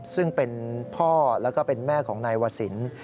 ซึ่งเป็นพ่อและแม่ของนายวสิน